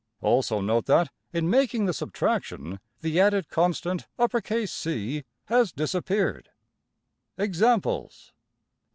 Also note that, in making the subtraction the added constant~$C$ has disappeared. \Examples.